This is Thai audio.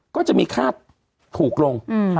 ก็จะมีค่าถูกลง